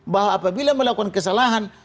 bahwa apabila melakukan kesalahan